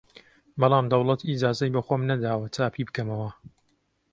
بەڵام دەوڵەت ئیجازەی بە خۆم نەداوە چاپی بکەمەوە!